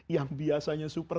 yang biasanya super super